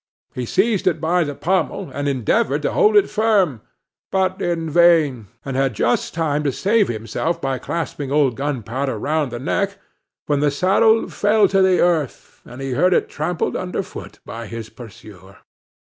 He seized it by the pommel, and endeavored to hold it firm, but in vain; and had just time to save himself by clasping old Gunpowder round the neck, when the saddle fell to the earth, and he heard it trampled under foot by his pursuer.